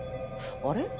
あれ？